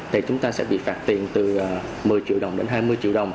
thì chúng ta sẽ bị phạt tiền từ một mươi triệu đồng đến hai mươi triệu đồng